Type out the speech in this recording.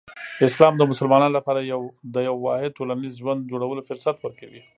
اسلام د مسلمانانو لپاره د یو واحد ټولنیز ژوند جوړولو فرصت ورکوي.